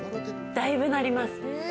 だいぶ、なります。